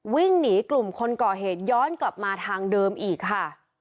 วิ่งหนีกลุ่มคนก่อเหตุย้อนกลับมาทางเดิมอีกค่ะ